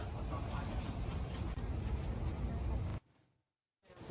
อธิษฐานอะไรบ้างครับ